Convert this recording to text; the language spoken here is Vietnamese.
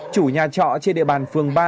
chủ nhà trọ trên địa bàn phường ba